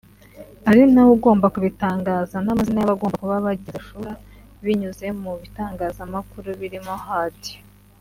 ari nawe ugomba kubitangaza n’amazina y’abagomba kuba bagize Shura binyuze mu bitangazamakuru birimo radio